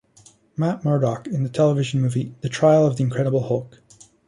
Matt Murdock in the television movie, "The Trial of the Incredible Hulk".